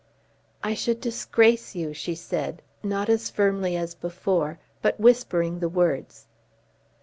"I should disgrace you," she said, not firmly as before, but whispering the words.